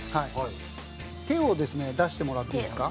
手を出してもらっていいですか？